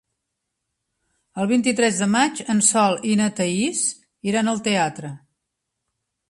El vint-i-tres de maig en Sol i na Thaís iran al teatre.